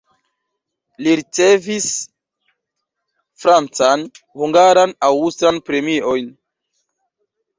Li ricevis francan, hungaran, aŭstran premiojn.